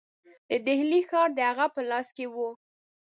د ډهلي ښار د هغه په لاس کې وو.